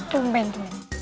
tumpeng tuh ini